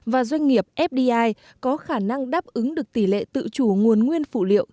và doanh nghiệp fdi có khả năng đáp ứng được tỷ lệ tự chủ nguồn nguyên phụ liệu